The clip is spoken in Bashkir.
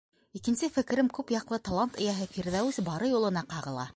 Икенсе фекерем күп яҡлы талант эйәһе Фирҙәүес Барый улына ҡағыла.